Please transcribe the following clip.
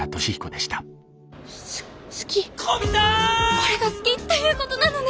「これが好きっていうことなのね！」。